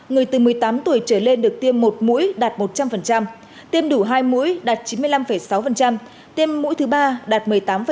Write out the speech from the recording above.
người từ một mươi tám tuổi trở lên được tiêm một mũi đạt một trăm linh tiêm đủ hai mũi đạt chín mươi năm sáu tiêm mũi thứ ba đạt một mươi tám